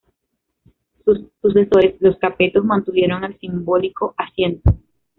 Sus sucesores, los Capetos mantuvieron el simbólico asiento.